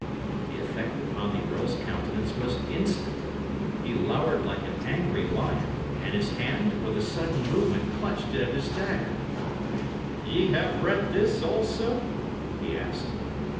The effect upon the earl's countenance was instant; he lowered like an angry lion, and his hand, with a sudden movement, clutched at his dagger. "Ye have read this also?" he asked.